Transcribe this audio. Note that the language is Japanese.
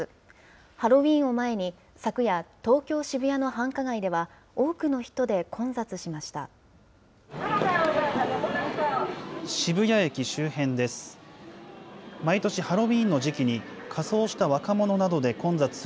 ハロウィーンを前に、昨夜、東京・渋谷の繁華街では、多くの人で渋谷駅周辺です。